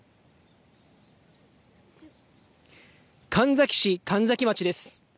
神埼市神埼町です。